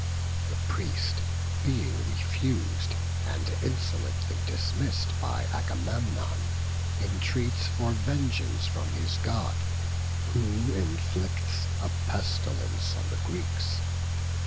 The priest being refused, and insolently dismissed by Agamemnon, entreats for vengeance from his god, who inflicts a pestilence on the Greeks.